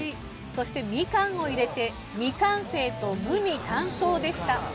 そしてみかんを入れて未完成と無味乾燥でした。